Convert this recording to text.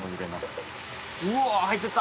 うわ入ってった！